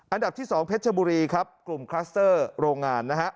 อันดับที่๒เพชรบุรีกลุ่มคลัสเตอร์โรงงาน